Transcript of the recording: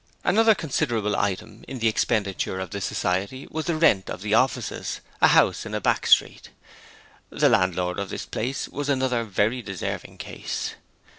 Another considerable item in the expenditure of the society was the rent of the offices a house in a back street. The landlord of this place was another very deserving case.